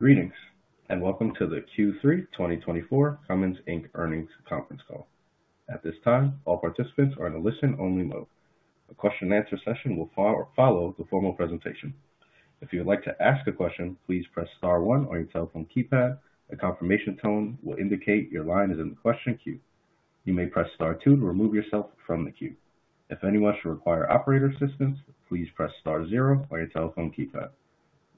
Greetings and welcome to the Q3 2024 Cummins Inc. Earnings Conference Call. At this time, all participants are in a listen-only mode. A question-and-answer session will follow the formal presentation. If you would like to ask a question, please press star, one on your telephone keypad. A confirmation tone will indicate your line is in the question queue. You may press star, two to remove yourself from the queue. If anyone should require operator assistance, please press star, zero on your telephone keypad.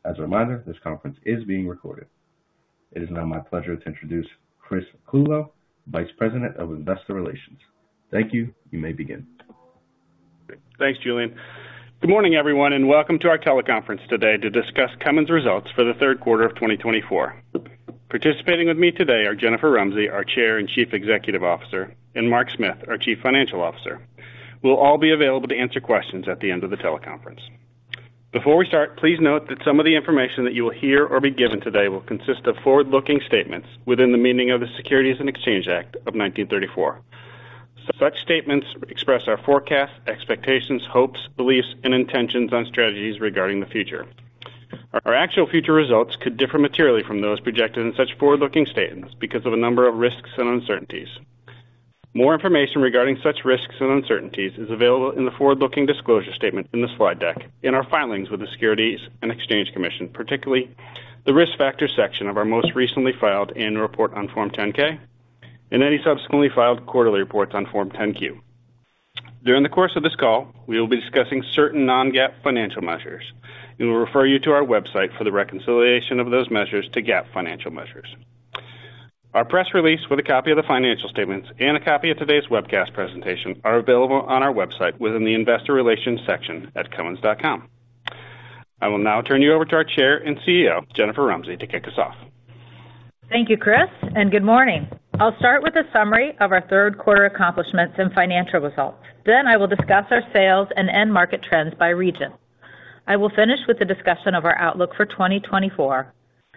As a reminder, this conference is being recorded. It is now my pleasure to introduce Chris Clulow, Vice President of Investor Relations. Thank you. You may begin. Thanks, Julian. Good morning, everyone, and welcome to our teleconference today to discuss Cummins' results for the third quarter of 2024. Participating with me today are Jennifer Rumsey, our Chair and Chief Executive Officer, and Mark Smith, our Chief Financial Officer. We'll all be available to answer questions at the end of the teleconference. Before we start, please note that some of the information that you will hear or be given today will consist of forward-looking statements within the meaning of the Securities Exchange Act of 1934. Such statements express our forecasts, expectations, hopes, beliefs, and intentions on strategies regarding the future. Our actual future results could differ materially from those projected in such forward-looking statements because of a number of risks and uncertainties. More information regarding such risks and uncertainties is available in the forward-looking disclosure statement in the slide deck in our filings with the Securities and Exchange Commission, particularly the risk factor section of our most recently filed annual report on Form 10-K and any subsequently filed quarterly reports on Form 10-Q. During the course of this call, we will be discussing certain non-GAAP financial measures and will refer you to our website for the reconciliation of those measures to GAAP financial measures. Our press release with a copy of the financial statements and a copy of today's webcast presentation are available on our website within the Investor Relations section at cummins.com. I will now turn you over to our Chair and CEO, Jennifer Rumsey, to kick us off. Thank you, Chris, and good morning. I'll start with a summary of our third quarter accomplishments and financial results. Then I will discuss our sales and end market trends by region. I will finish with a discussion of our outlook for 2024.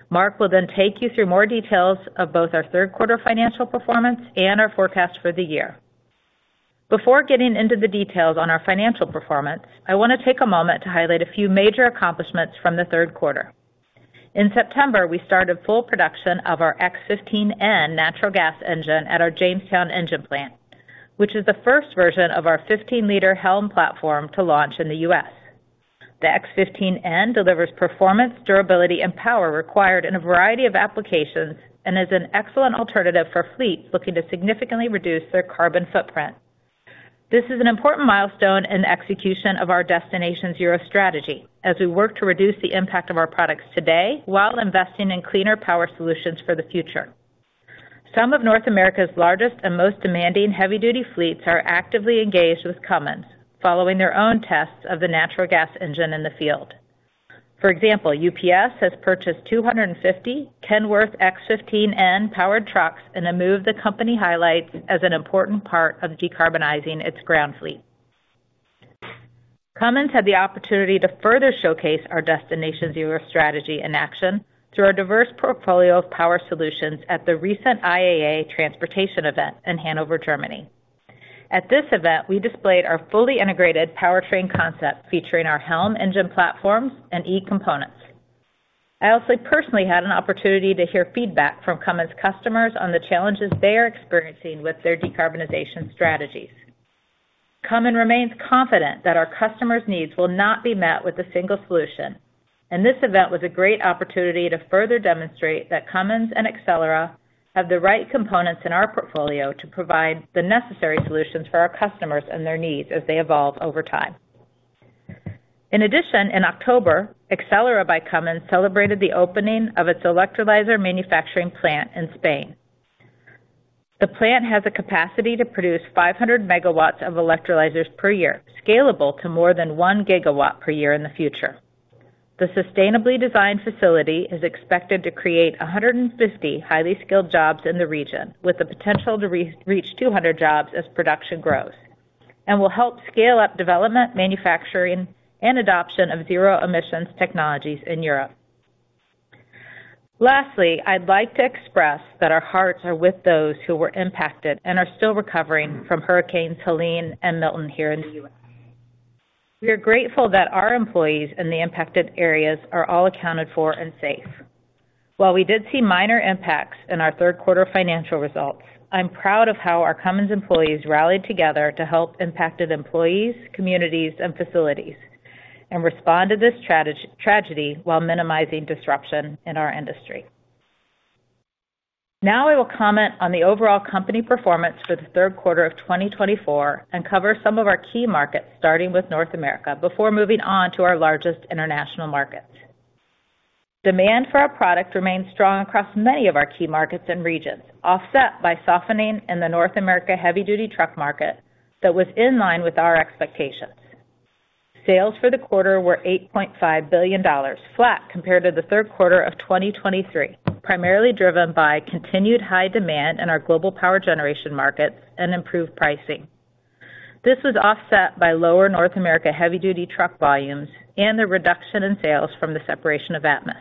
Mark will then take you through more details of both our third quarter financial performance and our forecast for the year. Before getting into the details on our financial performance, I want to take a moment to highlight a few major accomplishments from the third quarter. In September, we started full production of our X15N natural gas engine at our Jamestown engine plant, which is the first version of our 15-liter HELM platform to launch in the U.S. The X15N delivers performance, durability, and power required in a variety of applications and is an excellent alternative for fleets looking to significantly reduce their carbon footprint. This is an important milestone in the execution of our Destination Zero strategy as we work to reduce the impact of our products today while investing in cleaner power solutions for the future. Some of North America's largest and most demanding heavy-duty fleets are actively engaged with Cummins, following their own tests of the natural gas engine in the field. For example, UPS has purchased 250 Kenworth X15N powered trucks in a move the company highlights as an important part of decarbonizing its ground fleet. Cummins had the opportunity to further showcase our Destination Zero strategy in action through our diverse portfolio of power solutions at the recent IAA Transportation event in Hanover, Germany. At this event, we displayed our fully integrated powertrain concept featuring our HELM engine platforms and E components. I also personally had an opportunity to hear feedback from Cummins' customers on the challenges they are experiencing with their decarbonization strategies. Cummins remains confident that our customers' needs will not be met with a single solution, and this event was a great opportunity to further demonstrate that Cummins and Accelera have the right components in our portfolio to provide the necessary solutions for our customers and their needs as they evolve over time. In addition, in October, Accelera by Cummins celebrated the opening of its electrolyzer manufacturing plant in Spain. The plant has a capacity to produce 500 megawatts of electrolyzers per year, scalable to more than one gigawatt per year in the future. The sustainably designed facility is expected to create 150 highly skilled jobs in the region, with the potential to reach 200 jobs as production grows, and will help scale up development, manufacturing, and adoption of zero-emissions technologies in Europe. Lastly, I'd like to express that our hearts are with those who were impacted and are still recovering from Hurricanes Helene and Milton here in the U.S. We are grateful that our employees in the impacted areas are all accounted for and safe. While we did see minor impacts in our third quarter financial results, I'm proud of how our Cummins employees rallied together to help impacted employees, communities, and facilities and respond to this tragedy while minimizing disruption in our industry. Now I will comment on the overall company performance for the third quarter of 2024 and cover some of our key markets, starting with North America, before moving on to our largest international markets. Demand for our product remained strong across many of our key markets and regions, offset by softening in the North America heavy-duty truck market that was in line with our expectations. Sales for the quarter were $8.5 billion, flat compared to the third quarter of 2023, primarily driven by continued high demand in our global power generation markets and improved pricing. This was offset by lower North America heavy-duty truck volumes and the reduction in sales from the separation of Atmus.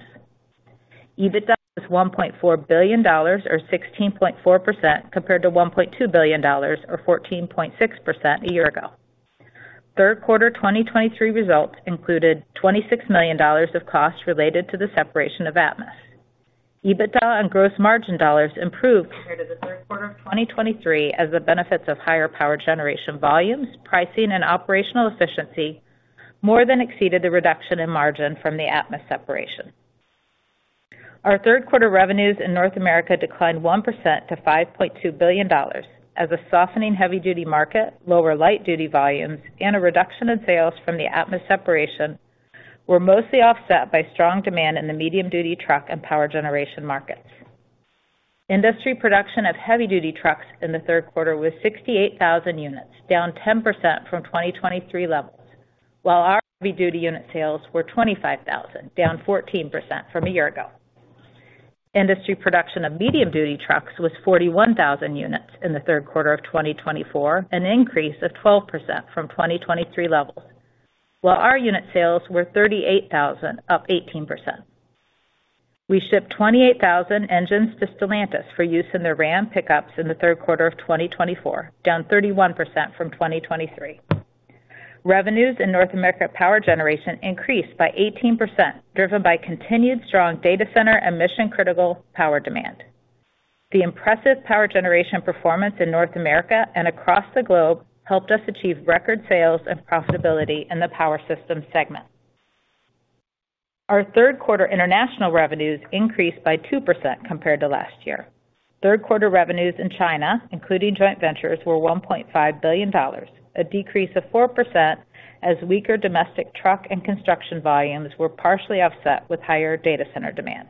EBITDA was $1.4 billion, or 16.4%, compared to $1.2 billion, or 14.6%, a year ago. Third quarter 2023 results included $26 million of costs related to the separation of Atmus. EBITDA and gross margin dollars improved compared to the third quarter of 2023, as the benefits of higher power generation volumes, pricing, and operational efficiency more than exceeded the reduction in margin from the Atmus separation. Our third quarter revenues in North America declined 1% to $5.2 billion, as a softening heavy-duty market, lower light-duty volumes, and a reduction in sales from the Atmus separation were mostly offset by strong demand in the medium-duty truck and power generation markets. Industry production of heavy-duty trucks in the third quarter was 68,000 units, down 10% from 2023 levels, while our heavy-duty unit sales were 25,000, down 14% from a year ago. Industry production of medium-duty trucks was 41,000 units in the third quarter of 2024, an increase of 12% from 2023 levels, while our unit sales were 38,000, up 18%. We shipped 28,000 engines to Stellantis for use in their RAM pickups in the third quarter of 2024, down 31% from 2023. Revenues in North America power generation increased by 18%, driven by continued strong data center and mission-critical power demand. The impressive power generation performance in North America and across the globe helped us achieve record sales and profitability in the power systems segment. Our third quarter international revenues increased by 2% compared to last year. Third quarter revenues in China, including joint ventures, were $1.5 billion, a decrease of 4%, as weaker domestic truck and construction volumes were partially offset with higher data center demand.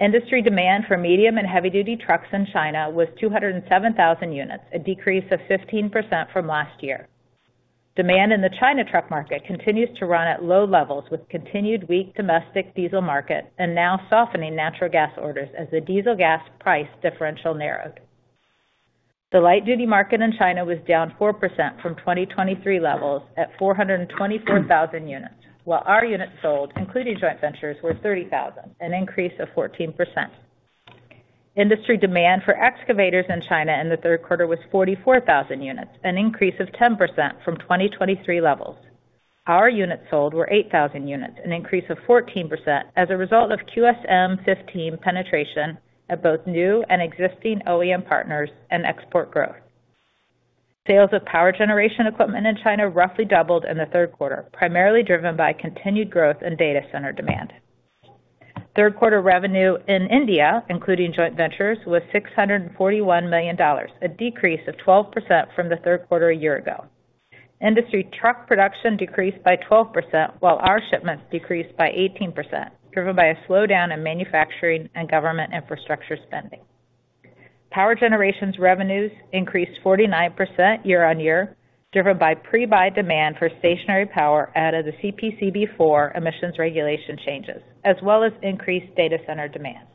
Industry demand for medium and heavy-duty trucks in China was 207,000 units, a decrease of 15% from last year. Demand in the China truck market continues to run at low levels with continued weak domestic diesel market and now softening natural gas orders as the diesel-gas price differential narrowed. The light-duty market in China was down 4% from 2023 levels at 424,000 units, while our units sold, including joint ventures, were 30,000, an increase of 14%. Industry demand for excavators in China in the third quarter was 44,000 units, an increase of 10% from 2023 levels. Our units sold were 8,000 units, an increase of 14%, as a result of QSM15 penetration at both new and existing OEM partners and export growth. Sales of power generation equipment in China roughly doubled in the third quarter, primarily driven by continued growth in data center demand. Third quarter revenue in India, including joint ventures, was $641 million, a decrease of 12% from the third quarter a year ago. Industry truck production decreased by 12%, while our shipments decreased by 18%, driven by a slowdown in manufacturing and government infrastructure spending. Power generation's revenues increased 49% year-on-year, driven by pre-buy demand for stationary power out of the CPCB4 emissions regulation changes, as well as increased data center demand.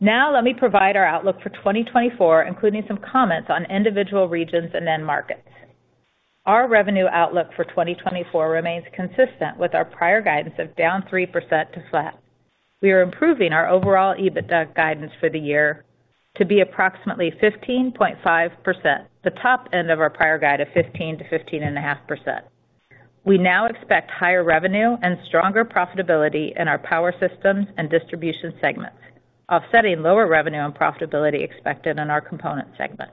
Now let me provide our outlook for 2024, including some comments on individual regions and end markets. Our revenue outlook for 2024 remains consistent with our prior guidance of down 3% to flat. We are improving our overall EBITDA guidance for the year to be approximately 15.5%, the top end of our prior guide of 15 to 15.5%. We now expect higher revenue and stronger profitability in our power systems and distribution segments, offsetting lower revenue and profitability expected in our component segment.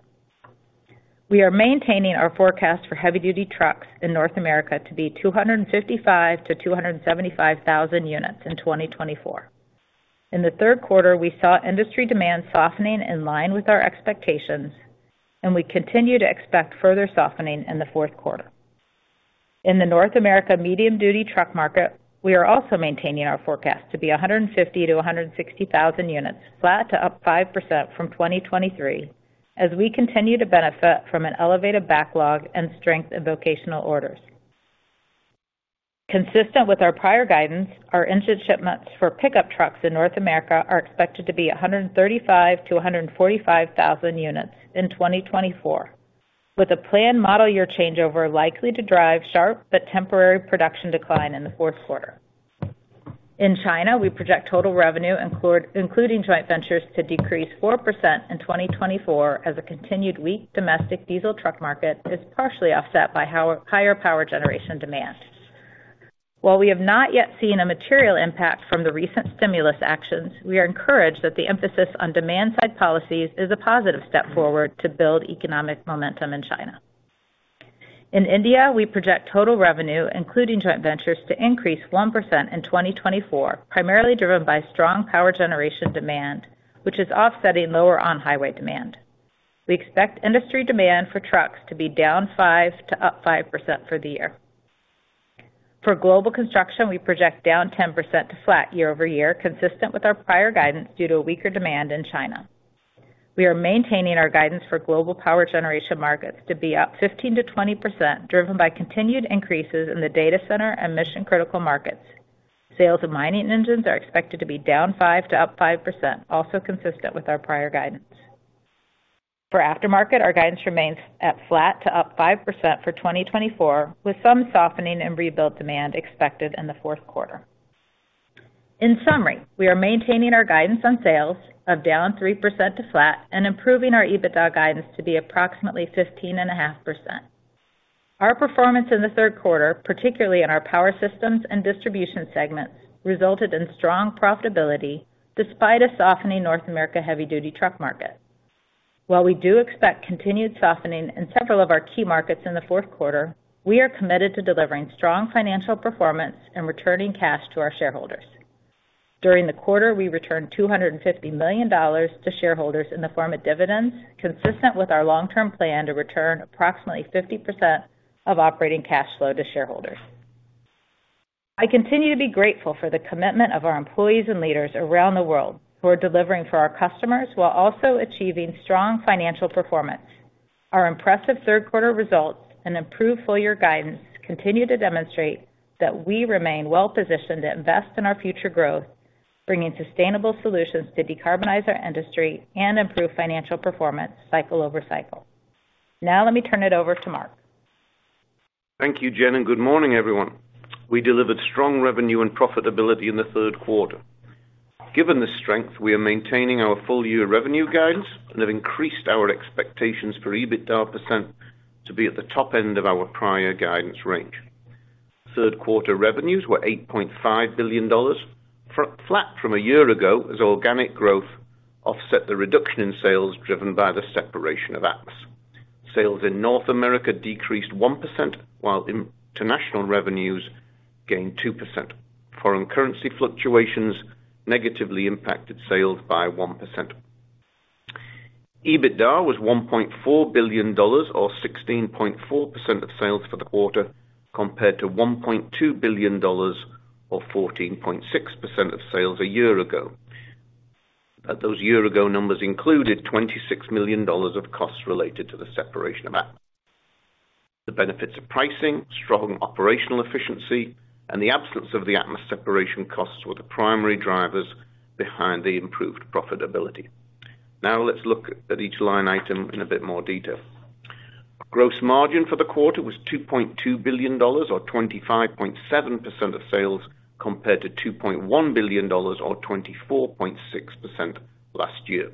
We are maintaining our forecast for heavy-duty trucks in North America to be 255,000-275,000 units in 2024. In the third quarter, we saw industry demand softening in line with our expectations, and we continue to expect further softening in the fourth quarter. In the North America medium-duty truck market, we are also maintaining our forecast to be 150,000-160,000 units, flat to up 5% from 2023, as we continue to benefit from an elevated backlog and strength in vocational orders. Consistent with our prior guidance, our engine shipments for pickup trucks in North America are expected to be 135,000-145,000 units in 2024, with a planned model year changeover likely to drive sharp but temporary production decline in the fourth quarter. In China, we project total revenue, including joint ventures, to decrease 4% in 2024, as a continued weak domestic diesel truck market is partially offset by higher power generation demand. While we have not yet seen a material impact from the recent stimulus actions, we are encouraged that the emphasis on demand-side policies is a positive step forward to build economic momentum in China. In India, we project total revenue, including joint ventures, to increase 1% in 2024, primarily driven by strong power generation demand, which is offsetting lower on-highway demand. We expect industry demand for trucks to be down 5% to up 5% for the year. For global construction, we project down 10% to flat year-over-year, consistent with our prior guidance due to weaker demand in China. We are maintaining our guidance for global power generation markets to be up 15%-20%, driven by continued increases in the data center and mission-critical markets. Sales of mining engines are expected to be down 5% to up 5%, also consistent with our prior guidance. For aftermarket, our guidance remains at flat to up 5% for 2024, with some softening in rebuild demand expected in the fourth quarter. In summary, we are maintaining our guidance on sales of down 3% to flat and improving our EBITDA guidance to be approximately 15.5%. Our performance in the third quarter, particularly in our power systems and distribution segments, resulted in strong profitability despite a softening North America heavy-duty truck market. While we do expect continued softening in several of our key markets in the fourth quarter, we are committed to delivering strong financial performance and returning cash to our shareholders. During the quarter, we returned $250 million to shareholders in the form of dividends, consistent with our long-term plan to return approximately 50% of operating cash flow to shareholders. I continue to be grateful for the commitment of our employees and leaders around the world who are delivering for our customers while also achieving strong financial performance. Our impressive third-quarter results and improved full-year guidance continue to demonstrate that we remain well-positioned to invest in our future growth, bringing sustainable solutions to decarbonize our industry and improve financial performance cycle over cycle. Now let me turn it over to Mark. Thank you, Jen, and good morning, everyone. We delivered strong revenue and profitability in the third quarter. Given this strength, we are maintaining our full-year revenue guidance and have increased our expectations for EBITDA % to be at the top end of our prior guidance range. Third-quarter revenues were $8.5 billion, flat from a year ago, as organic growth offset the reduction in sales driven by the separation of Atmus. Sales in North America decreased 1%, while international revenues gained 2%. Foreign currency fluctuations negatively impacted sales by 1%. EBITDA was $1.4 billion, or 16.4% of sales for the quarter, compared to $1.2 billion, or 14.6% of sales a year ago. Those year-ago numbers included $26 million of costs related to the separation of Atmus. The benefits of pricing, strong operational efficiency, and the absence of the Atmus separation costs were the primary drivers behind the improved profitability. Now let's look at each line item in a bit more detail. Gross margin for the quarter was $2.2 billion, or 25.7% of sales, compared to $2.1 billion, or 24.6% last year.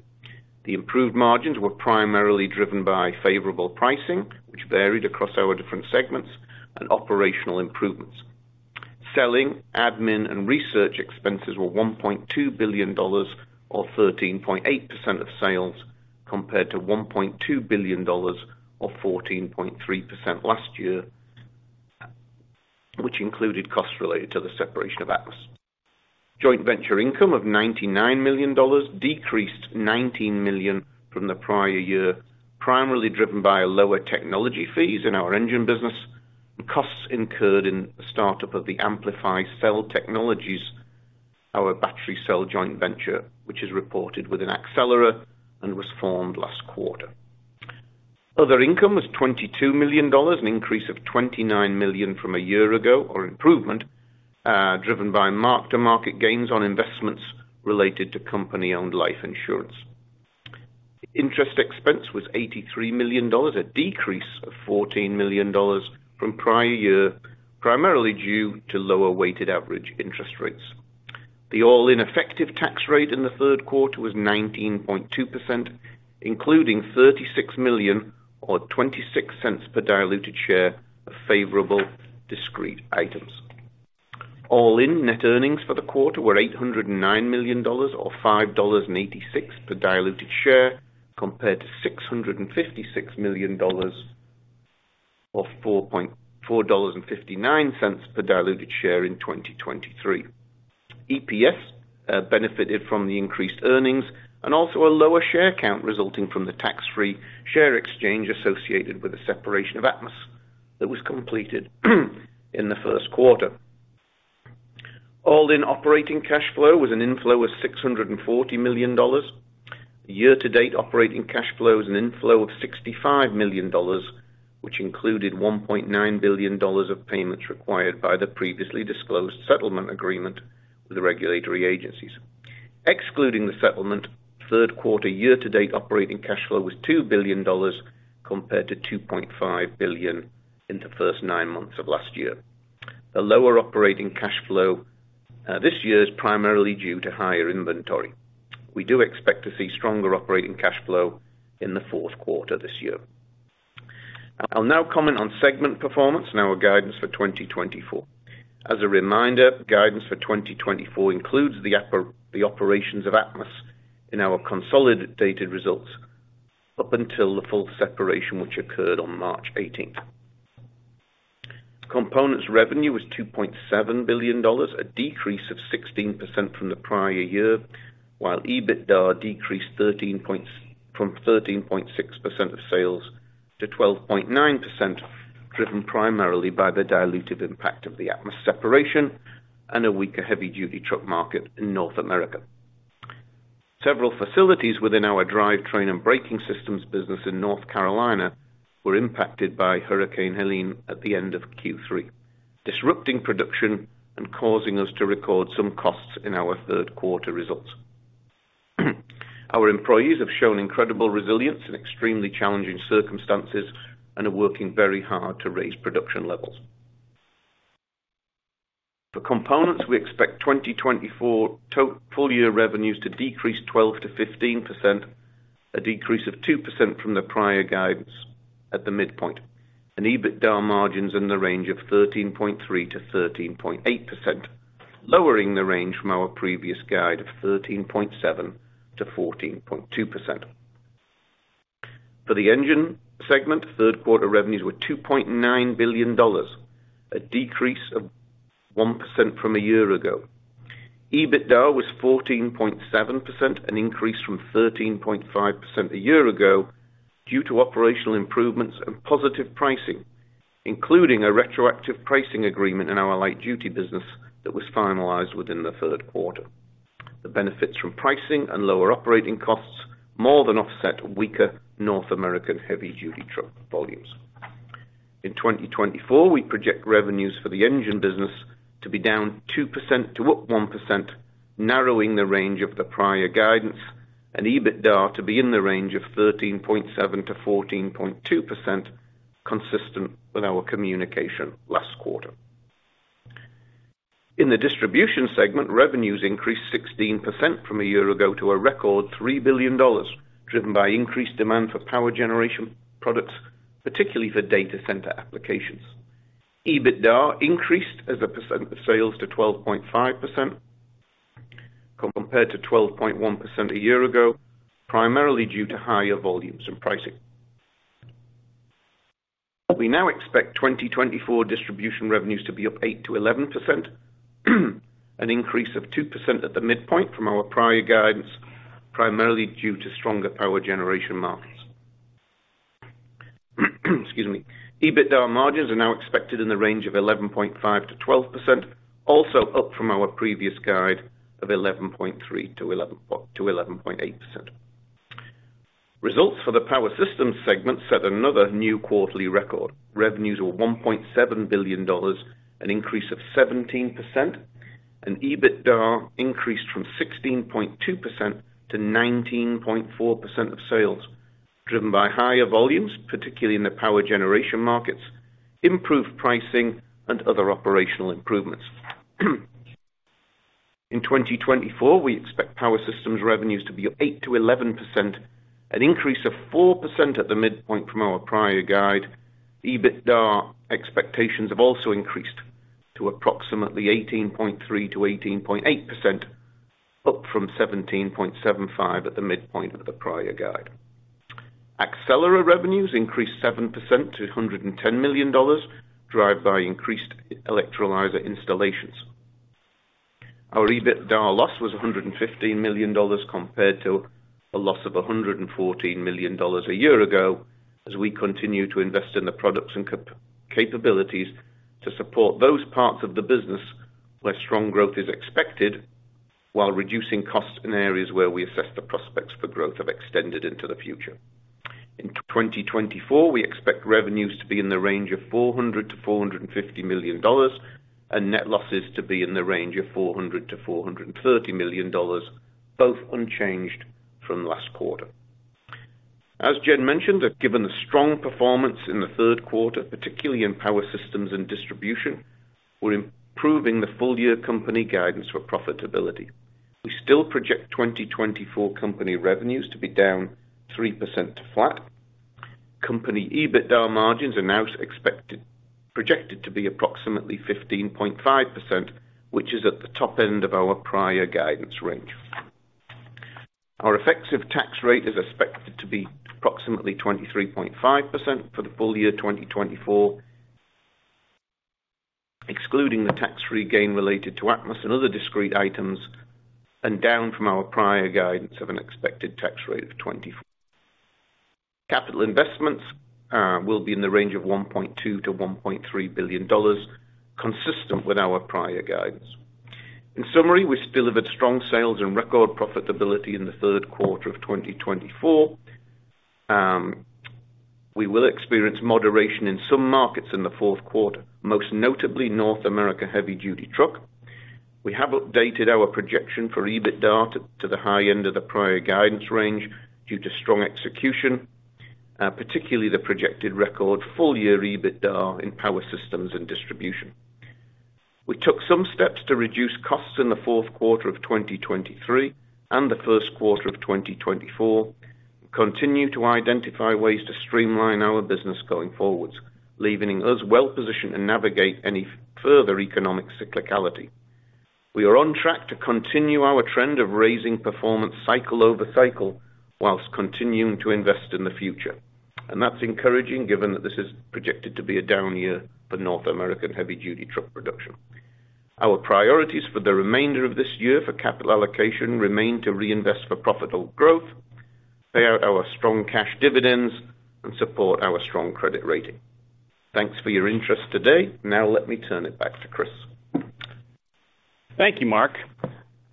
The improved margins were primarily driven by favorable pricing, which varied across our different segments, and operational improvements. Selling, admin, and research expenses were $1.2 billion, or 13.8% of sales, compared to $1.2 billion, or 14.3% last year, which included costs related to the separation of Atmus. Joint venture income of $99 million decreased $19 million from the prior year, primarily driven by lower technology fees in our engine business and costs incurred in the startup of the Amplify Cell Technologies, our battery cell joint venture, which is reported with Accelera and was formed last quarter. Other income was $22 million, an increase of $29 million from a year ago, an improvement, driven by mark-to-market gains on investments related to company-owned life insurance. Interest expense was $83 million, a decrease of $14 million from prior year, primarily due to lower weighted average interest rates. The all-in effective tax rate in the third quarter was 19.2%, including $36 million, or $0.26 per diluted share of favorable discrete items. All-in net earnings for the quarter were $809 million, or $5.86 per diluted share, compared to $656 million, or $4.459 per diluted share in 2023. EPS benefited from the increased earnings and also a lower share count resulting from the tax-free share exchange associated with the separation of Atmus that was completed in the first quarter. All-in operating cash flow was an inflow of $640 million. Year-to-date operating cash flow was an inflow of $65 million, which included $1.9 billion of payments required by the previously disclosed settlement agreement with the regulatory agencies. Excluding the settlement, third-quarter year-to-date operating cash flow was $2 billion, compared to $2.5 billion in the first nine months of last year. The lower operating cash flow this year is primarily due to higher inventory. We do expect to see stronger operating cash flow in the fourth quarter this year. I'll now comment on segment performance and our guidance for 2024. As a reminder, guidance for 2024 includes the operations of Atmus in our consolidated results up until the full separation, which occurred on March 18th. Components revenue was $2.7 billion, a decrease of 16% from the prior year, while EBITDA decreased from 13.6% of sales to 12.9%, driven primarily by the dilutive impact of the Atmus separation and a weaker heavy-duty truck market in North America. Several facilities within our drive train and braking systems business in North Carolina were impacted by Hurricane Helene at the end of Q3, disrupting production and causing us to record some costs in our third-quarter results. Our employees have shown incredible resilience in extremely challenging circumstances and are working very hard to raise production levels. For components, we expect 2024 full-year revenues to decrease 12%-15%, a decrease of 2% from the prior guidance at the midpoint, and EBITDA margins in the range of 13.3%-13.8%, lowering the range from our previous guide of 13.7%-14.2%. For the engine segment, third-quarter revenues were $2.9 billion, a decrease of 1% from a year ago. EBITDA was 14.7%, an increase from 13.5% a year ago due to operational improvements and positive pricing, including a retroactive pricing agreement in our light-duty business that was finalized within the third quarter. The benefits from pricing and lower operating costs more than offset weaker North American heavy-duty truck volumes. In 2024, we project revenues for the engine business to be down 2% to up 1%, narrowing the range of the prior guidance and EBITDA to be in the range of 13.7% to 14.2%, consistent with our communication last quarter. In the distribution segment, revenues increased 16% from a year ago to a record $3 billion, driven by increased demand for power generation products, particularly for data center applications. EBITDA increased as a percent of sales to 12.5% compared to 12.1% a year ago, primarily due to higher volumes and pricing. We now expect 2024 distribution revenues to be up 8%-11%, an increase of 2% at the midpoint from our prior guidance, primarily due to stronger power generation markets. Excuse me. EBITDA margins are now expected in the range of 11.5%-12%, also up from our previous guide of 11.3%-11.8%. Results for the power systems segment set another new quarterly record. Revenues were $1.7 billion, an increase of 17%, and EBITDA increased from 16.2%-19.4% of sales, driven by higher volumes, particularly in the power generation markets, improved pricing, and other operational improvements. In 2024, we expect power systems revenues to be up 8%-11%, an increase of 4% at the midpoint from our prior guide. EBITDA expectations have also increased to approximately 18.3%-18.8%, up from 17.75% at the midpoint of the prior guide. Accelera revenues increased 7% to $110 million, driven by increased electrolyzer installations. Our EBITDA loss was $115 million compared to a loss of $114 million a year ago, as we continue to invest in the products and capabilities to support those parts of the business where strong growth is expected, while reducing costs in areas where we assess the prospects for growth have extended into the future. In 2024, we expect revenues to be in the range of $400-$450 million and net losses to be in the range of $400-$430 million, both unchanged from last quarter. As Jen mentioned, given the strong performance in the third quarter, particularly in power systems and distribution, we're improving the full-year company guidance for profitability. We still project 2024 company revenues to be down 3% to flat. Company EBITDA margins are now projected to be approximately 15.5%, which is at the top end of our prior guidance range. Our effective tax rate is expected to be approximately 23.5% for the full year 2024, excluding the tax-free gain related to Atmus and other discrete items, and down from our prior guidance of an expected tax rate of 24%. Capital investments will be in the range of $1.2-$1.3 billion, consistent with our prior guidance. In summary, we've delivered strong sales and record profitability in the third quarter of 2024. We will experience moderation in some markets in the fourth quarter, most notably North America heavy-duty truck. We have updated our projection for EBITDA to the high end of the prior guidance range due to strong execution, particularly the projected record full-year EBITDA in power systems and distribution. We took some steps to reduce costs in the fourth quarter of 2023 and the first quarter of 2024 and continue to identify ways to streamline our business going forward, leaving us well-positioned to navigate any further economic cyclicality. We are on track to continue our trend of raising performance cycle over cycle while continuing to invest in the future, and that's encouraging given that this is projected to be a down year for North American heavy-duty truck production. Our priorities for the remainder of this year for capital allocation remain to reinvest for profitable growth, pay out our strong cash dividends, and support our strong credit rating. Thanks for your interest today. Now let me turn it back to Chris. Thank you, Mark.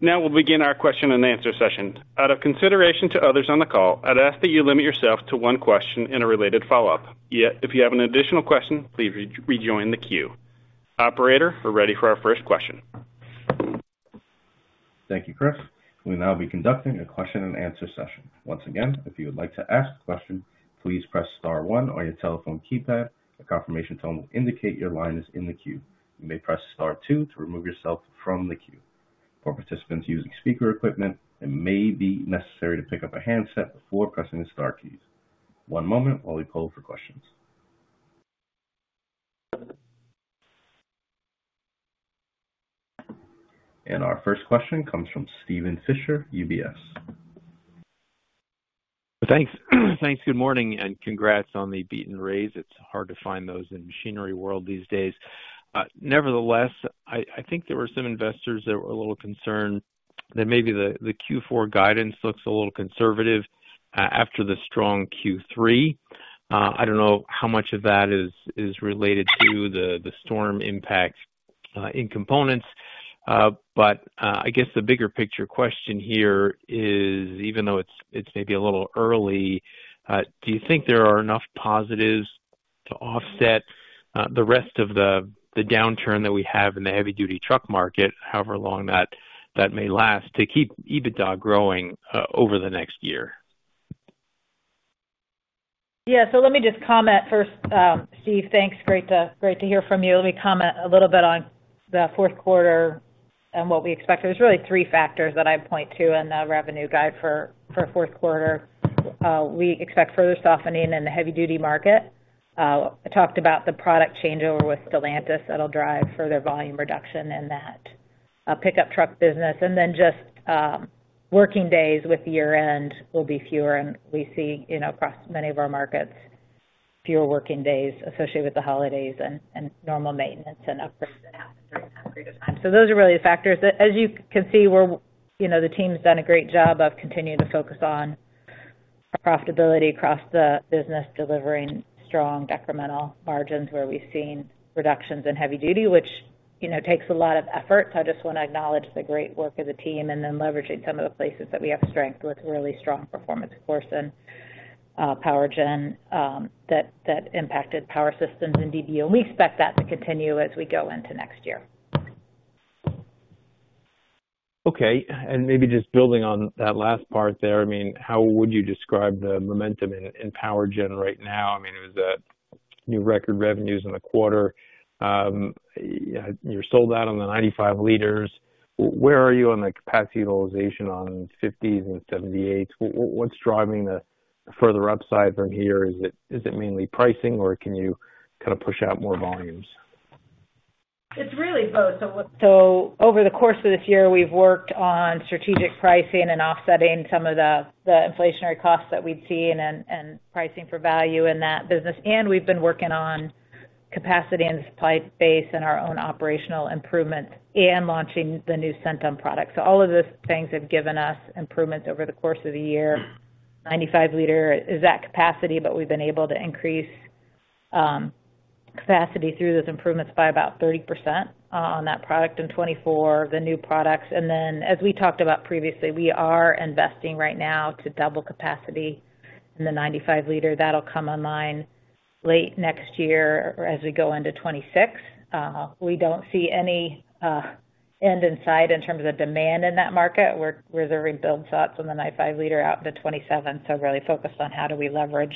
Now we'll begin our question-and-answer session. Out of consideration to others on the call, I'd ask that you limit yourself to one question in a related follow-up. If you have an additional question, please rejoin the queue. Operator, we're ready for our first question. Thank you, Chris. We'll now be conducting a question-and-answer session. Once again, if you would like to ask a question, please press star one on your telephone keypad. A confirmation tone will indicate your line is in the queue. You may press star two to remove yourself from the queue. For participants using speaker equipment, it may be necessary to pick up a handset before pressing the star keys. One moment while we poll for questions. And our first question comes from Steven Fisher, UBS. Thanks. Thanks. Good morning and congrats on the beat and raise. It's hard to find those in the machinery world these days. Nevertheless, I think there were some investors that were a little concerned that maybe the Q4 guidance looks a little conservative after the strong Q3. I don't know how much of that is related to the storm impact in components, but I guess the bigger picture question here is, even though it's maybe a little early, do you think there are enough positives to offset the rest of the downturn that we have in the heavy-duty truck market, however long that may last, to keep EBITDA growing over the next year? Yeah. So let me just comment first, Steve. Thanks. Great to hear from you. Let me comment a little bit on the fourth quarter and what we expect. There's really three factors that I point to in the revenue guide for fourth quarter. We expect further softening in the heavy-duty market. I talked about the product changeover with Stellantis that'll drive further volume reduction in that pickup truck business. And then just working days with year-end will be fewer, and we see across many of our markets fewer working days associated with the holidays and normal maintenance and upgrades that happen during that period of time. So those are really the factors. As you can see, the team's done a great job of continuing to focus on profitability across the business, delivering strong decremental margins where we've seen reductions in heavy-duty, which takes a lot of effort. So I just want to acknowledge the great work of the team and then leveraging some of the places that we have strength with really strong performance, of course, in power gen that impacted power systems and DBO. We expect that to continue as we go into next year. Okay. Maybe just building on that last part there, I mean, how would you describe the momentum in power gen right now? I mean, it was new record revenues in the quarter. You're sold out on the 95 liters. Where are you on the capacity utilization on 50s and 78s? What's driving the further upside from here? Is it mainly pricing, or can you kind of push out more volumes? It's really both. So over the course of this year, we've worked on strategic pricing and offsetting some of the inflationary costs that we'd seen and pricing for value in that business. We've been working on capacity and supply base and our own operational improvements and launching the new Centum product. All of those things have given us improvements over the course of the year. 95-liter is at capacity, but we've been able to increase capacity through those improvements by about 30% on that product in 2024, the new products. And then, as we talked about previously, we are investing right now to double capacity in the 95-liter. That'll come online late next year or as we go into 2026. We don't see any end in sight in terms of demand in that market. We're reserving build slots on the 9.5-liter out to 2027. So really focused on how do we leverage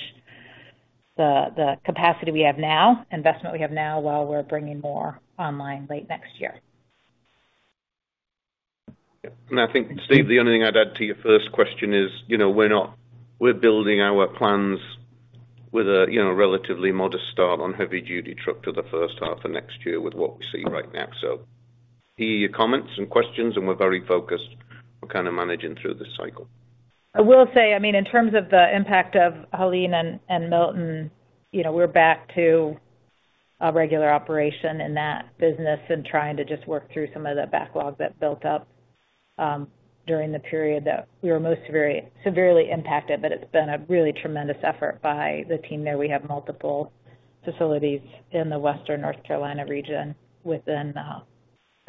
the capacity we have now, investment we have now, while we're bringing more online late next year. And I think, Steve, the only thing I'd add to your first question is we're building our plans with a relatively modest start on heavy-duty truck to the first half of next year with what we see right now. So here your comments and questions, and we're very focused on kind of managing through this cycle. I will say, I mean, in terms of the impact of Helene and Milton, we're back to regular operation in that business and trying to just work through some of the backlog that built up during the period that we were most severely impacted. But it's been a really tremendous effort by the team there. We have multiple facilities in the western North Carolina region within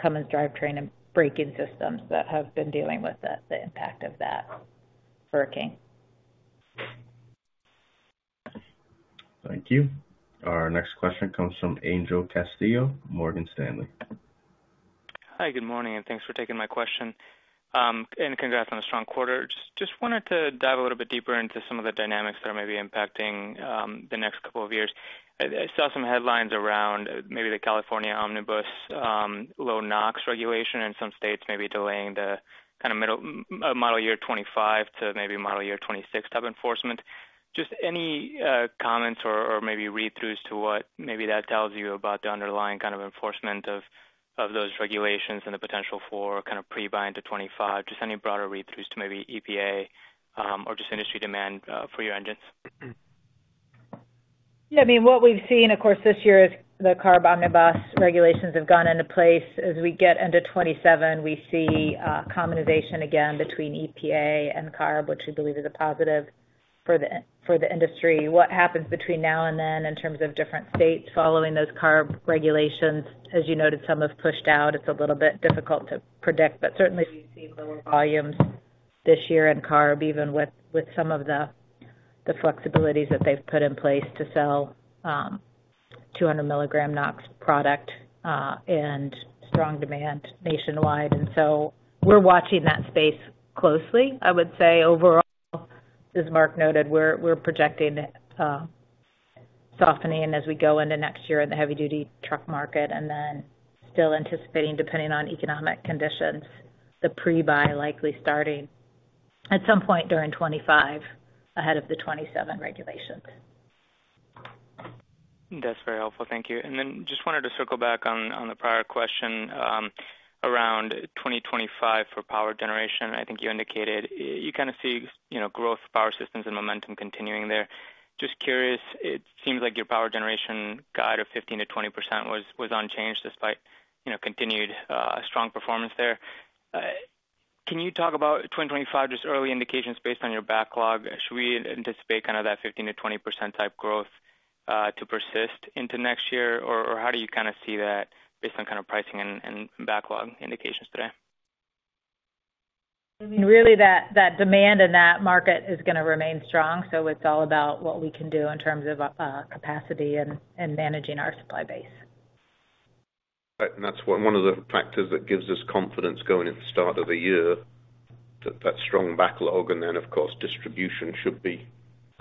Cummins Drivetrain and Braking Systems that have been dealing with the impact of that working. Thank you. Our next question comes from Angel Castillo, Morgan Stanley. Hi. Good morning, and thanks for taking my question and congrats on a strong quarter. Just wanted to dive a little bit deeper into some of the dynamics that are maybe impacting the next couple of years. I saw some headlines around maybe the California Omnibus low NOx regulation in some states maybe delaying the kind of model year 2025 to maybe model year 2026 type enforcement. Just any comments or maybe read-throughs to what maybe that tells you about the underlying kind of enforcement of those regulations and the potential for kind of pre-buy to 2025? Just any broader read-throughs to maybe EPA or just industry demand for your engines? Yeah. I mean, what we've seen, of course, this year is the CARB Omnibus regulations have gone into place. As we get into 2027, we see harmonization again between EPA and CARB, which we believe is a positive for the industry. What happens between now and then in terms of different states following those CARB regulations? As you noted, some have pushed out. It's a little bit difficult to predict, but certainly we've seen lower volumes this year in CARB, even with some of the flexibilities that they've put in place to sell 200-milligram NOx product and strong demand nationwide. And so we're watching that space closely. I would say overall, as Mark noted, we're projecting softening as we go into next year in the heavy-duty truck market, and then still anticipating, depending on economic conditions, the pre-buy likely starting at some point during 2025 ahead of the 2027 regulations. That's very helpful. Thank you. And then just wanted to circle back on the prior question around 2025 for power generation. I think you indicated you kind of see growth, power systems, and momentum continuing there. Just curious, it seems like your power generation guide of 15%-20% was unchanged despite continued strong performance there. Can you talk about 2025, just early indications based on your backlog? Should we anticipate kind of that 15%-20% type growth to persist into next year, or how do you kind of see that based on kind of pricing and backlog indications today? I mean, really, that demand in that market is going to remain strong. So it's all about what we can do in terms of capacity and managing our supply base. And that's one of the factors that gives us confidence going at the start of the year, that strong backlog. And then, of course, distribution should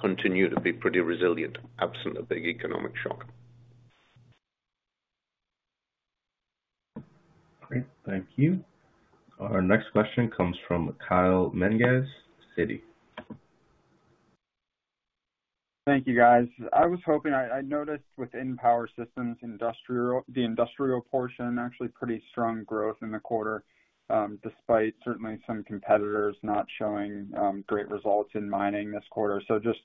continue to be pretty resilient absent a big economic shock. Great. Thank you. Our next question comes from Kyle Menges, Citi. Thank you, guys. I was hoping I noticed within power systems, the industrial portion, actually pretty strong growth in the quarter, despite certainly some competitors not showing great results in mining this quarter. So just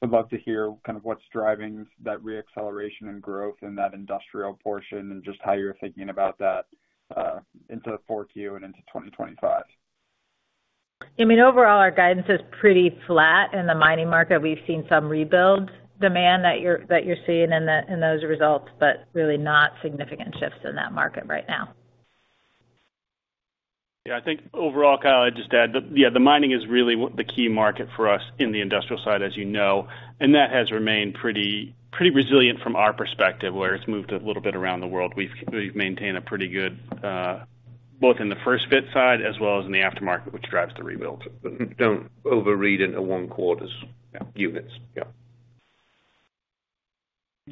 would love to hear kind of what's driving that reacceleration and growth in that industrial portion and just how you're thinking about that into the fourth year and into 2025. I mean, overall, our guidance is pretty flat in the mining market. We've seen some rebuild demand that you're seeing in those results, but really not significant shifts in that market right now. Yeah. I think overall, Kyle, I'd just add that, yeah, the mining is really the key market for us in the industrial side, as you know, and that has remained pretty resilient from our perspective, where it's moved a little bit around the world. We've maintained a pretty good both in the first-fit side as well as in the aftermarket, which drives the rebuild. Don't overread into one quarter's units. Yeah.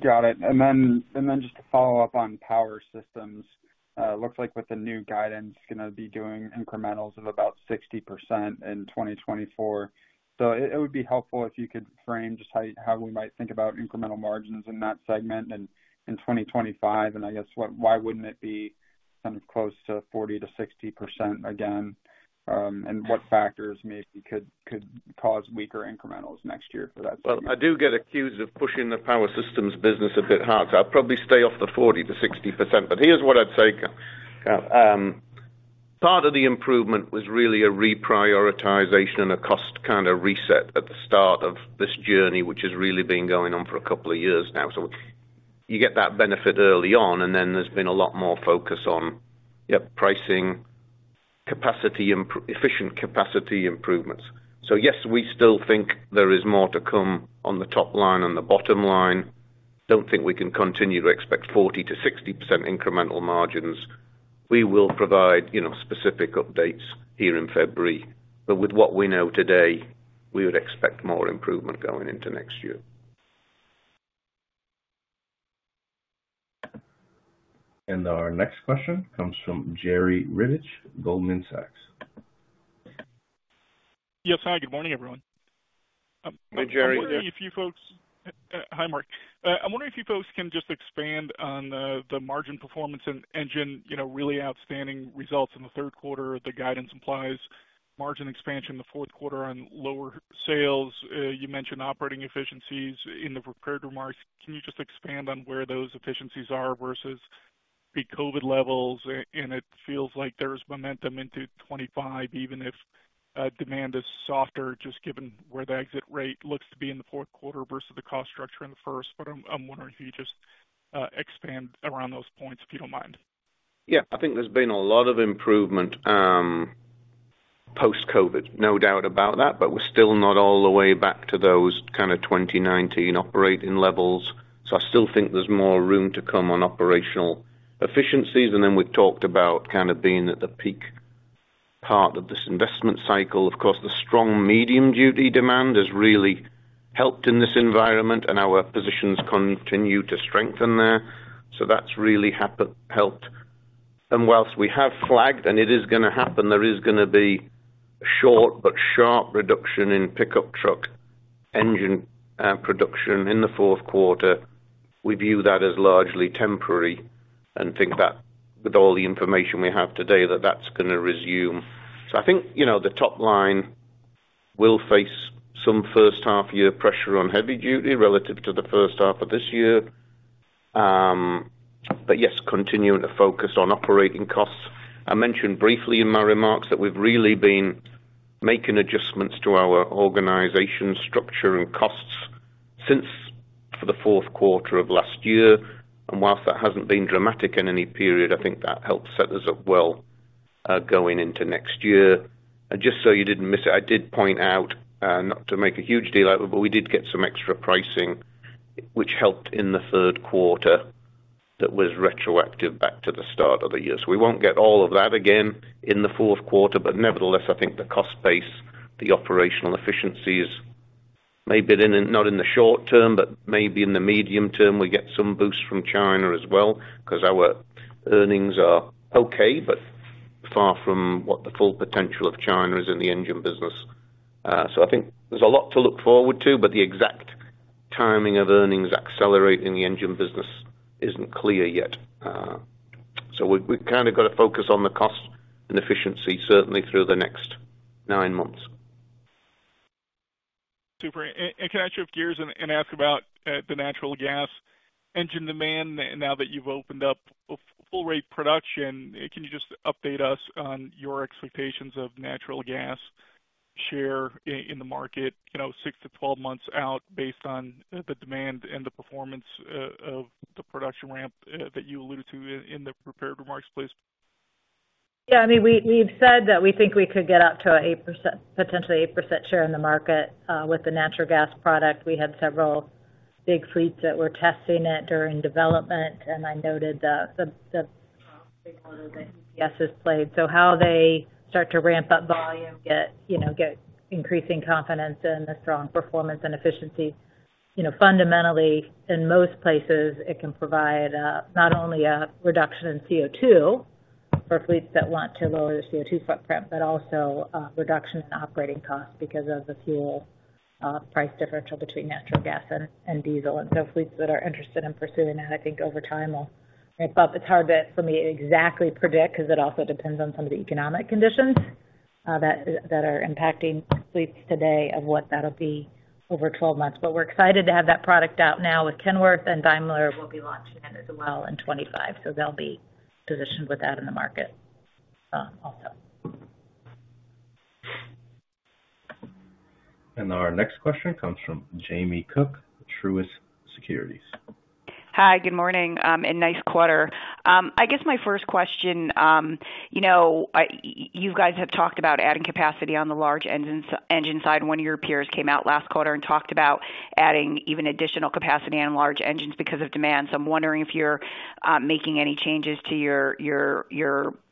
Got it. And then just to follow up on power systems, it looks like with the new guidance, it's going to be doing incrementals of about 60% in 2024. So it would be helpful if you could frame just how we might think about incremental margins in that segment in 2025. And I guess, why wouldn't it be kind of close to 40%-60% again? And what factors maybe could cause weaker incrementals next year for that segment? Well, I do get accused of pushing the power systems business a bit hard. So I'll probably stay off the 40%-60%. But here's what I'd say. Part of the improvement was really a reprioritization and a cost kind of reset at the start of this journey, which has really been going on for a couple of years now. So you get that benefit early on, and then there's been a lot more focus on, yep, pricing, efficient capacity improvements. So yes, we still think there is more to come on the top line and the bottom line. Don't think we can continue to expect 40%-60% incremental margins. We will provide specific updates here in February. But with what we know today, we would expect more improvement going into next year. And our next question comes from Jerry Revich, Goldman Sachs. Yes, hi. Good morning, everyone. Hey, Jerry. I'm wondering if you folks, hi, Mark. I'm wondering if you folks can just expand on the margin performance and engine, really outstanding results in the third quarter. The guidance implies margin expansion in the fourth quarter on lower sales. You mentioned operating efficiencies in the prepared remarks. Can you just expand on where those efficiencies are versus pre-COVID levels? And it feels like there's momentum into 2025, even if demand is softer, just given where the exit rate looks to be in the fourth quarter versus the cost structure in the first. But I'm wondering if you could just expand around those points, if you don't mind. Yeah. I think there's been a lot of improvement post-COVID, no doubt about that, but we're still not all the way back to those kind of 2019 operating levels. So I still think there's more room to come on operational efficiencies. And then we've talked about kind of being at the peak part of this investment cycle. Of course, the strong medium-duty demand has really helped in this environment, and our positions continue to strengthen there. So that's really helped. And while we have flagged, and it is going to happen, there is going to be a short but sharp reduction in pickup truck engine production in the fourth quarter. We view that as largely temporary and think that with all the information we have today, that that's going to resume. So I think the top line will face some first half-year pressure on heavy-duty relative to the first half of this year. But yes, continuing to focus on operating costs. I mentioned briefly in my remarks that we've really been making adjustments to our organization structure and costs since for the fourth quarter of last year. While that hasn't been dramatic in any period, I think that helps set us up well going into next year. Just so you didn't miss it, I did point out, not to make a huge deal out of it, but we did get some extra pricing, which helped in the third quarter that was retroactive back to the start of the year. We won't get all of that again in the fourth quarter. Nevertheless, I think the cost base, the operational efficiencies, maybe not in the short term, but maybe in the medium term, we get some boost from China as well because our earnings are okay, but far from what the full potential of China is in the engine business. I think there's a lot to look forward to, but the exact timing of earnings accelerating the engine business isn't clear yet. So we've kind of got to focus on the cost and efficiency, certainly through the next nine months. Super. And can I shift gears and ask about the natural gas engine demand now that you've opened up full-rate production? Can you just update us on your expectations of natural gas share in the market 6-12 months out based on the demand and the performance of the production ramp that you alluded to in the prepared remarks, please? Yeah. I mean, we've said that we think we could get up to a potentially 8% share in the market with the natural gas product. We had several big fleets that were testing it during development, and I noted the big order that UPS has placed. So how they start to ramp up volume, get increasing confidence in the strong performance and efficiency. Fundamentally, in most places, it can provide not only a reduction in CO2 for fleets that want to lower their CO2 footprint, but also a reduction in operating costs because of the fuel price differential between natural gas and diesel. And so fleets that are interested in pursuing that, I think over time will ramp up. It's hard for me to exactly predict because it also depends on some of the economic conditions that are impacting fleets today of what that'll be over 12 months. But we're excited to have that product out now with Kenworth, and Daimler will be launching it as well in 2025. So they'll be positioned with that in the market also. Our next question comes from Jamie Cook, Truist Securities. Hi. Good morning and nice quarter. I guess my first question, you guys have talked about adding capacity on the large engine side. One of your peers came out last quarter and talked about adding even additional capacity on large engines because of demand. So I'm wondering if you're making any changes to your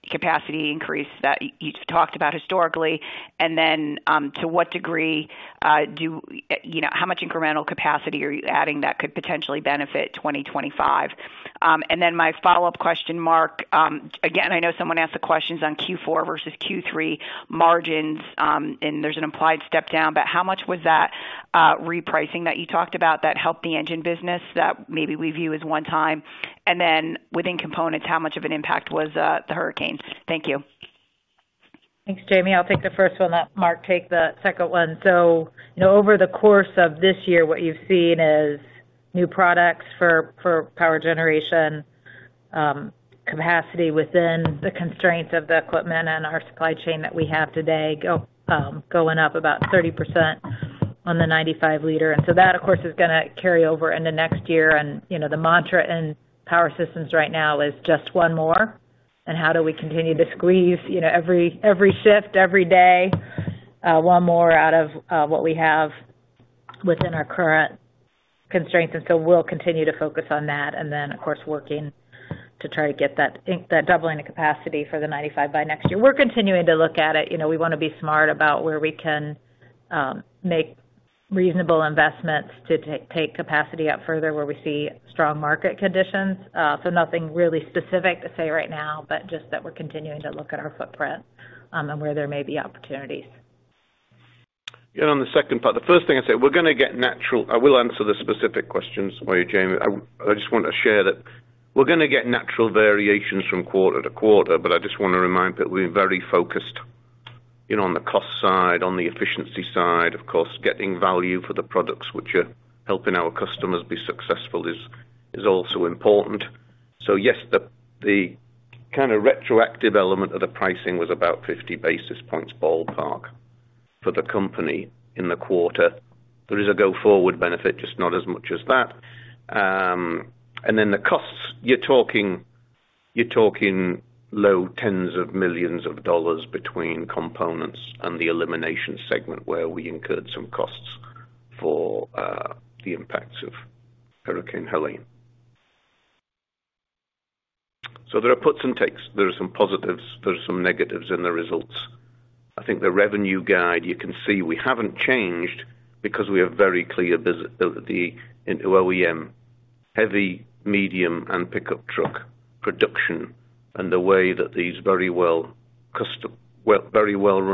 capacity increase that you've talked about historically. And then to what degree do how much incremental capacity are you adding that could potentially benefit 2025? And then my follow-up question, Mark, again, I know someone asked the questions on Q4 versus Q3 margins, and there's an implied step down, but how much was that repricing that you talked about that helped the engine business that maybe we view as one time? And then within components, how much of an impact was the hurricane? Thank you. Thanks, Jamie. I'll take the first one. Let Mark take the second one. So over the course of this year, what you've seen is new products for power generation capacity within the constraints of the equipment and our supply chain that we have today going up about 30% on the 95-liter. And so that, of course, is going to carry over into next year. And the mantra in power systems right now is just one more. And how do we continue to squeeze every shift, every day, one more out of what we have within our current constraints? And so we'll continue to focus on that. And then, of course, working to try to get that doubling of capacity for the 95 by next year. We're continuing to look at it. We want to be smart about where we can make reasonable investments to take capacity up further where we see strong market conditions. So nothing really specific to say right now, but just that we're continuing to look at our footprint and where there may be opportunities. And on the second part, the first thing I'd say, I will answer the specific questions for you, Jamie. I just want to share that we're going to get natural variations from quarter to quarter, but I just want to remind that we're very focused on the cost side, on the efficiency side. Of course, getting value for the products which are helping our customers be successful is also important. So yes, the kind of retroactive element of the pricing was about 50 basis points ballpark for the company in the quarter. There is a go-forward benefit, just not as much as that. And then the costs. You're talking low tens of millions of dollars between components and the filtration segment where we incurred some costs for the impacts of Hurricane Helene. So there are puts and takes. There are some positives. There are some negatives in the results. I think the revenue guide, you can see we haven't changed, because we have very clear visibility into OEM, heavy, medium, and pickup truck production. And the way that these very well-run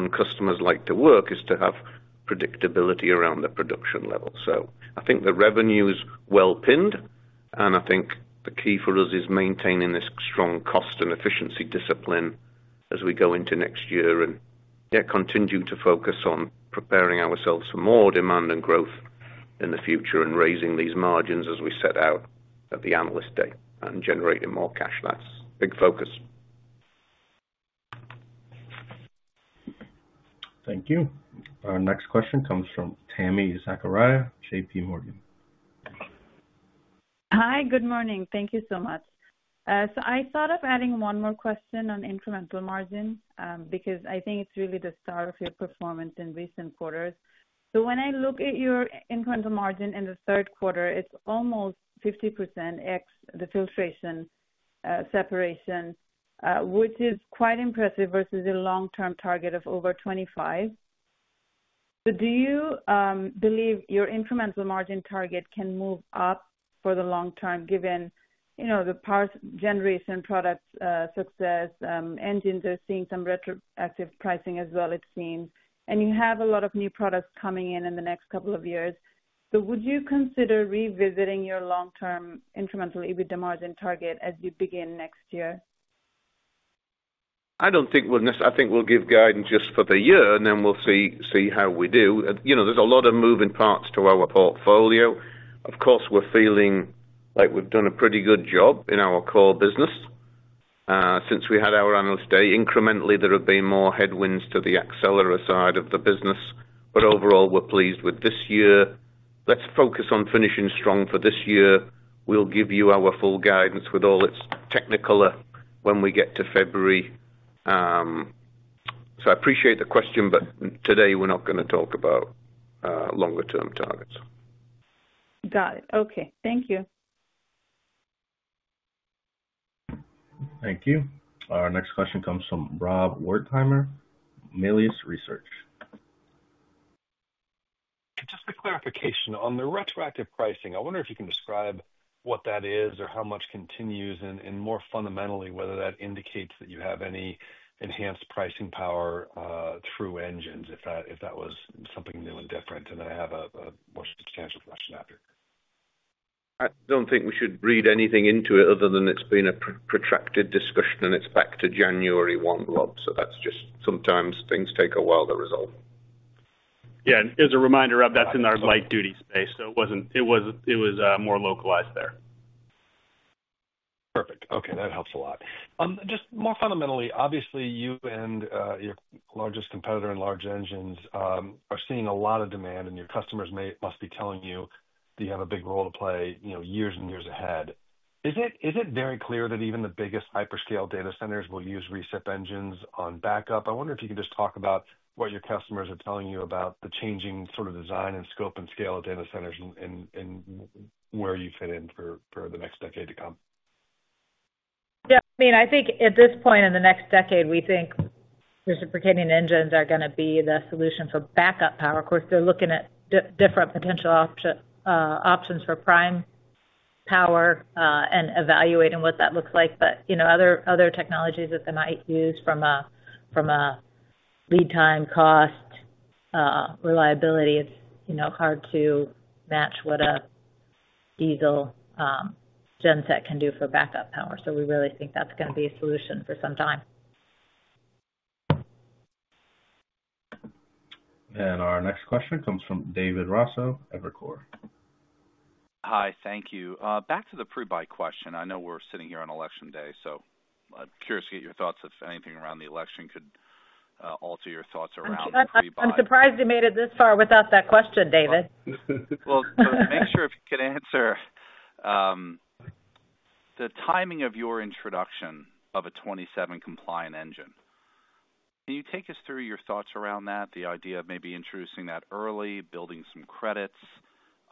customers like to work is to have predictability around the production level. So I think the revenue is well-pinned, and I think the key for us is maintaining this strong cost and efficiency discipline as we go into next year and continue to focus on preparing ourselves for more demand and growth in the future and raising these margins as we set out at the analyst day and generating more cash. That's a big focus. Thank you. Our next question comes from Tami Zakaria, JPMorgan. Hi. Good morning. Thank you so much. So I thought of adding one more question on incremental margin because I think it's really the star of your performance in recent quarters. So when I look at your incremental margin in the third quarter, it's almost 50% X the filtration separation, which is quite impressive versus a long-term target of over 25%. So do you believe your incremental margin target can move up for the long term given the power generation product success? Engines are seeing some retroactive pricing as well, it seems. And you have a lot of new products coming in in the next couple of years. So would you consider revisiting your long-term incremental EBITDA margin target as you begin next year? I don't think we'll necessarily, I think we'll give guidance just for the year, and then we'll see how we do. There's a lot of moving parts to our portfolio. Of course, we're feeling like we've done a pretty good job in our core business. Since we had our analyst day, incrementally, there have been more headwinds to the Accelera side of the business. But overall, we're pleased with this year. Let's focus on finishing strong for this year. We'll give you our full guidance with all its technicalities when we get to February. So I appreciate the question, but today, we're not going to talk about longer-term targets. Got it. Okay. Thank you. Thank you. Our next question comes from Rob Wertheimer, Melius Research. Just a clarification on the retroactive pricing. I wonder if you can describe what that is or how much continues and more fundamentally whether that indicates that you have any enhanced pricing power through engines, if that was something new and different? And then I have a more substantial question after. I don't think we should read anything into it other than it's been a protracted discussion, and it's back to January 1, 2025. So that's just sometimes things take a while to resolve. Yeah. And as a reminder, Rob, that's in our light-duty space. So it wasn't—it was more localized there. Perfect. Okay. That helps a lot. Just more fundamentally, obviously, you and your largest competitor in large engines are seeing a lot of demand, and your customers must be telling you that you have a big role to play years and years ahead. Is it very clear that even the biggest hyperscale data centers will use recip engines on backup? I wonder if you can just talk about what your customers are telling you about the changing sort of design and scope and scale of data centers and where you fit in for the next decade to come. Yeah. I mean, I think at this point in the next decade, we think reciprocating engines are going to be the solution for backup power. Of course, they're looking at different potential options for prime power and evaluating what that looks like. But other technologies that they might use from a lead time cost reliability, it's hard to match what a diesel genset can do for backup power. So we really think that's going to be a solution for some time. And our next question comes from David Raso, Evercore ISI. Hi. Thank you. Back to the pre-buy question. I know we're sitting here on election day, so I'm curious to get your thoughts if anything around the election could alter your thoughts around. I'm surprised you made it this far without that question, David. Well, make sure if you can answer the timing of your introduction of a 27-compliant engine. Can you take us through your thoughts around that, the idea of maybe introducing that early, building some credits?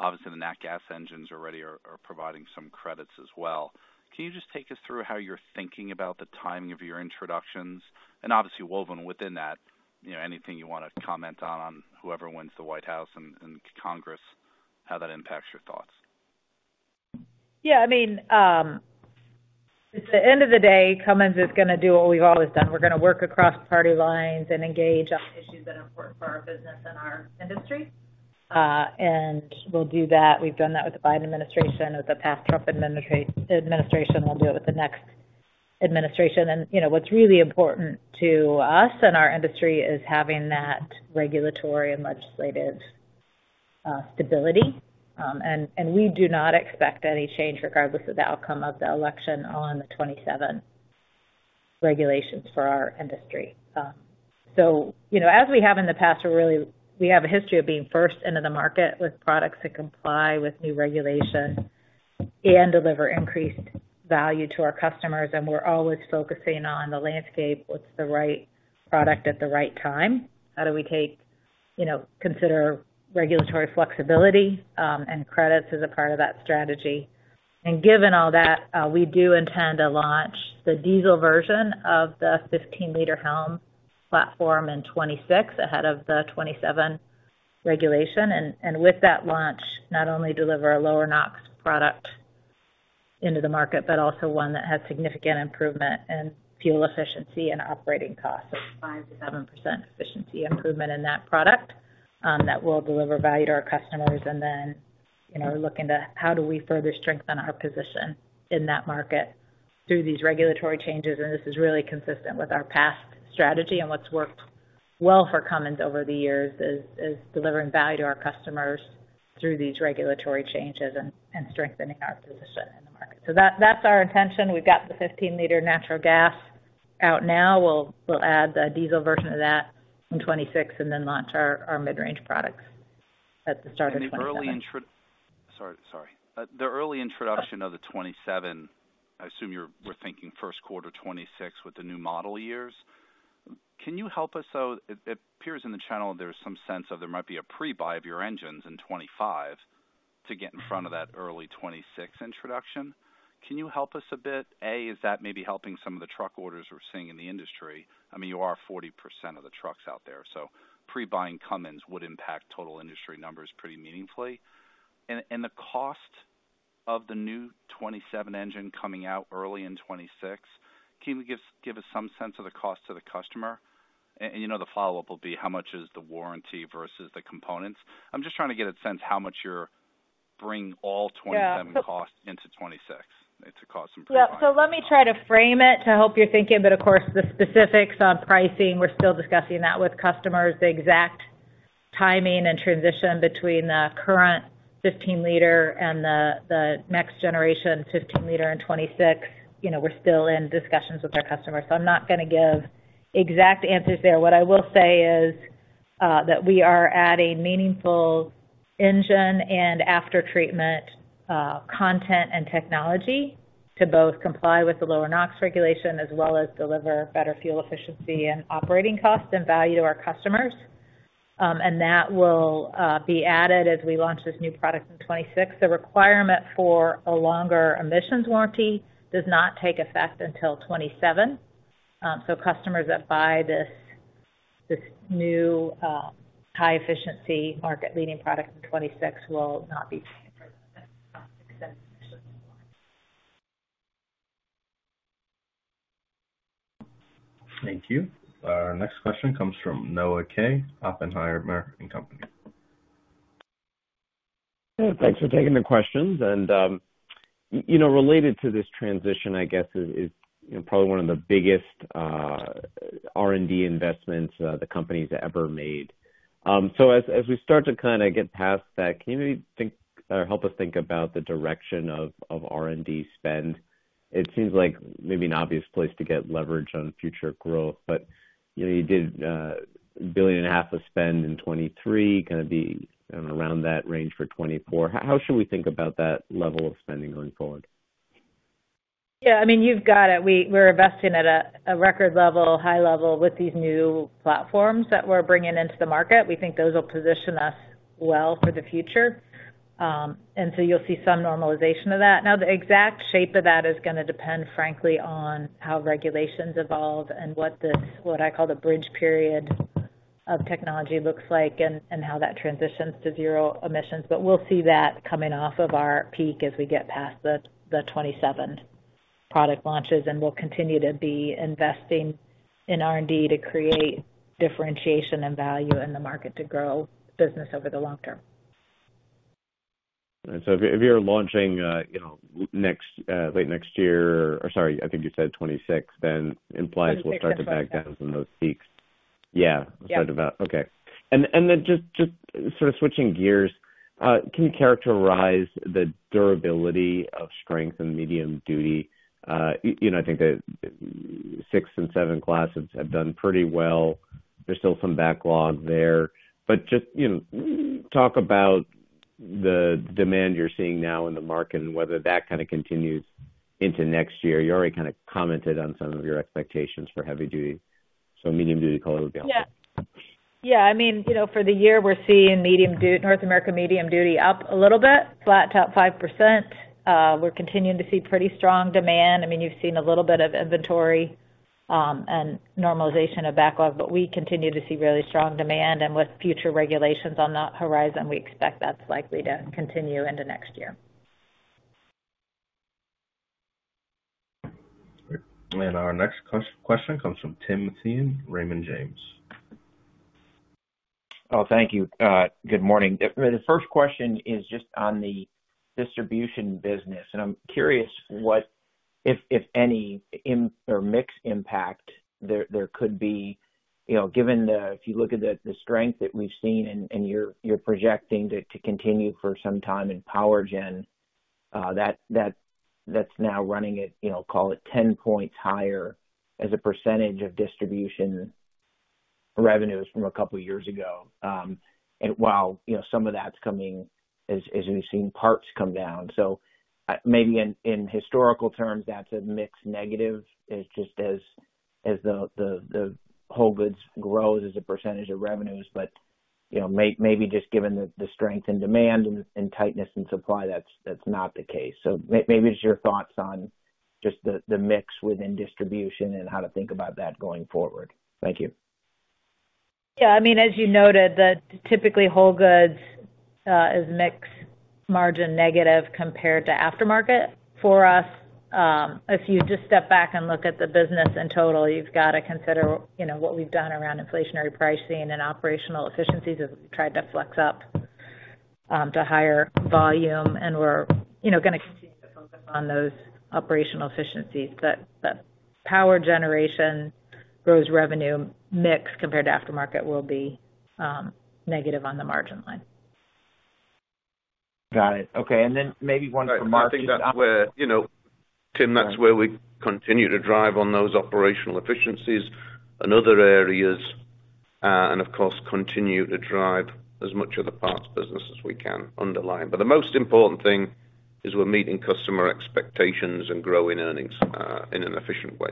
Obviously, the Nat Gas engines already are providing some credits as well. Can you just take us through how you're thinking about the timing of your introductions? And obviously, woven within that, anything you want to comment on, whoever wins the White House and Congress, how that impacts your thoughts. Yeah. I mean, at the end of the day, Cummins is going to do what we've always done. We're going to work across party lines and engage on issues that are important for our business and our industry. We'll do that. We've done that with the Biden administration, with the past Trump administration. We'll do it with the next administration. What's really important to us and our industry is having that regulatory and legislative stability. We do not expect any change regardless of the outcome of the election on the 27 regulations for our industry. As we have in the past, we have a history of being first into the market with products that comply with new regulation and deliver increased value to our customers. We're always focusing on the landscape, what's the right product at the right time? How do we consider regulatory flexibility and credits as a part of that strategy? Given all that, we do intend to launch the diesel version of the 15-liter HELM platform in 2026 ahead of the 2027 regulation. With that launch, not only deliver a lower-NOx product into the market, but also one that has significant improvement in fuel efficiency and operating costs, a 5%-7% efficiency improvement in that product that will deliver value to our customers. Then we're looking to how do we further strengthen our position in that market through these regulatory changes. This is really consistent with our past strategy. What's worked well for Cummins over the years is delivering value to our customers through these regulatory changes and strengthening our position in the market. That's our intention. We've got the 15-liter natural gas out now. We'll add the diesel version of that in 2026 and then launch our mid-range products at the start of 2027. Sorry. The early introduction of the 2027, I assume you're thinking first quarter 2026 with the new model years. Can you help us? So it appears in the channel there's some sense of there might be a pre-buy of your engines in 2025 to get in front of that early 2026 introduction. Can you help us a bit? A, is that maybe helping some of the truck orders we're seeing in the industry? I mean, you are 40% of the trucks out there. So pre-buying Cummins would impact total industry numbers pretty meaningfully. And the cost of the new 2027 engine coming out early in 2026, can you give us some sense of the cost to the customer? The follow-up will be how much is the warranty versus the components? I'm just trying to get a sense how much you're bringing all 2027 costs into 2026 to cause some pre-buy. Yeah. Let me try to frame it to help you think it. But of course, the specifics on pricing, we're still discussing that with customers, the exact timing and transition between the current 15-liter and the next generation 15-liter in 2026. We're still in discussions with our customers. I'm not going to give exact answers there. What I will say is that we are adding meaningful engine and after-treatment content and technology to both comply with the lower NOx regulation as well as deliver better fuel efficiency and operating costs and value to our customers. That will be added as we launch this new product in 2026. The requirement for a longer emissions warranty does not take effect until 2027. So customers that buy this new high-efficiency market-leading product in 2026 will not be seeing that cost extended initially. Thank you. Our next question comes from Noah Kaye, Oppenheimer & Co. Thanks for taking the questions. And related to this transition, I guess, is probably one of the biggest R&D investments the company's ever made. So as we start to kind of get past that, can you maybe help us think about the direction of R&D spend? It seems like maybe an obvious place to get leverage on future growth, but you did $1.5 billion of spend in 2023, going to be around that range for 2024. How should we think about that level of spending going forward? Yeah. I mean, you've got it. We're investing at a record level, high level with these new platforms that we're bringing into the market. We think those will position us well for the future, and so you'll see some normalization of that. Now, the exact shape of that is going to depend, frankly, on how regulations evolve and what I call the bridge period of technology looks like and how that transitions to zero emissions. But we'll see that coming off of our peak as we get past the 2027 product launches. And we'll continue to be investing in R&D to create differentiation and value in the market to grow business over the long term, and so if you're launching late next year or, sorry, I think you said 2026, then implies we'll start to back down from those peaks. Yeah. Okay. Then just sort of switching gears, can you characterize the durability of strength in medium duty? I think the six and seven classes have done pretty well. There's still some backlog there. But just talk about the demand you're seeing now in the market and whether that kind of continues into next year. You already kind of commented on some of your expectations for heavy duty. So medium duty color would be helpful. Yeah. Yeah. I mean, for the year, we're seeing North America medium duty up a little bit, flat to up 5%. We're continuing to see pretty strong demand. I mean, you've seen a little bit of inventory and normalization of backlog, but we continue to see really strong demand. And with future regulations on the horizon, we expect that's likely to continue into next year. And our next question comes from Timothy from Raymond James. Oh, thank you. Good morning. The first question is just on the distribution business. And I'm curious what, if any, or mixed impact there could be given if you look at the strength that we've seen and you're projecting to continue for some time in PowerGen, that's now running at, call it, 10 points higher as a percentage of distribution revenues from a couple of years ago. And while some of that's coming as we've seen parts come down. So maybe in historical terms, that's a mixed negative just as the whole goods grows as a percentage of revenues. But maybe just given the strength and demand and tightness in supply, that's not the case. So maybe just your thoughts on just the mix within distribution and how to think about that going forward. Thank you. Yeah. I mean, as you noted, typically whole goods is mixed margin negative compared to aftermarket. For us, if you just step back and look at the business in total, you've got to consider what we've done around inflationary pricing and operational efficiencies as we've tried to flex up to higher volume. And we're going to continue to focus on those operational efficiencies. But the power generation grows revenue mix compared to aftermarket will be negative on the margin line. Got it. Okay. And then maybe one for Mark. And Tim, that's where we continue to drive on those operational efficiencies. In other areas, and of course, continue to drive as much of the parts business as we can underlie. But the most important thing is we're meeting customer expectations and growing earnings in an efficient way.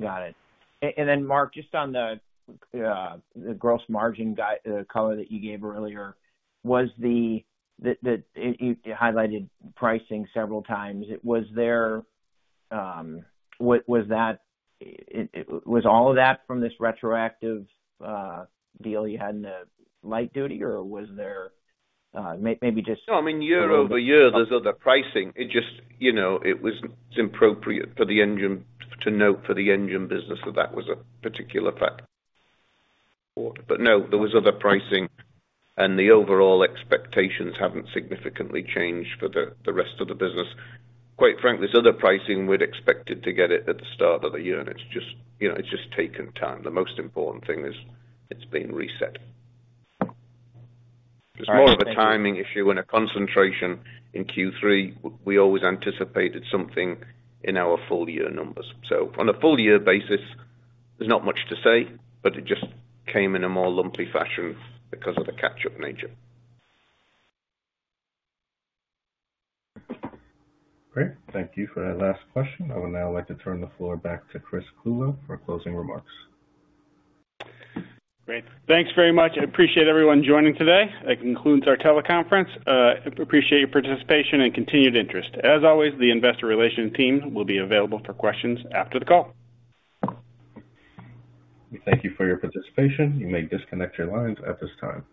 Got it. And then, Mark, just on the gross margin color that you gave earlier, you highlighted pricing several times. Was that all of that from this retroactive deal you had in the light duty, or was there maybe just? No, I mean, year-over-year, there's other pricing. It was appropriate for the engine to note for the engine business that that was a particular factor. But no, there was other pricing, and the overall expectations haven't significantly changed for the rest of the business. Quite frankly, there's other pricing we'd expected to get at the start of the year, and it's just taken time. The most important thing is it's been reset. It's more of a timing issue and a concentration in Q3. We always anticipated something in our full year numbers. So on a full year basis, there's not much to say, but it just came in a more lumpy fashion because of the catch-up nature. Great. Thank you for that last question. I would now like to turn the floor back to Chris Clulow for closing remarks. Great. Thanks very much. I appreciate everyone joining today. That concludes our teleconference. Appreciate your participation and continued interest. As always, the investor relations team will be available for questions after the call. Thank you for your participation. You may disconnect your lines at this time.